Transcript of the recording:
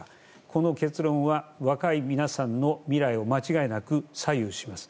この結論は若い皆さんの未来を間違いなく左右します。